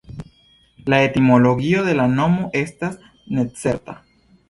La etimologio de la nomo estas necerta.